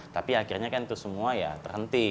tapi akhirnya kan itu semua ya terhenti